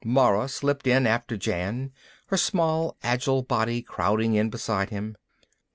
Mara slipped in after Jan, her small agile body crowding in beside him.